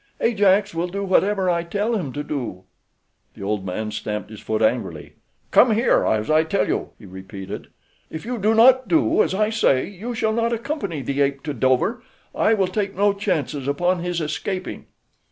"Ajax will do whatever I tell him to do." The old man stamped his foot angrily. "Come here, as I tell you," he repeated. "If you do not do as I say you shall not accompany the ape to Dover—I will take no chances upon his escaping."